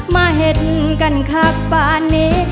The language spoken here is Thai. มาเห็นกันครับป่านนี้